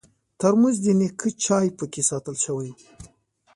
ترموز د نیکه چای پکې ساتل شوی وي.